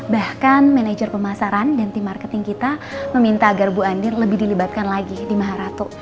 bahkan manajer pemasaran dan tim marketing kita meminta agar bu andir lebih dilibatkan lagi di maha ratu